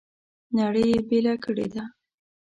نړۍ یې بېله کړې ده.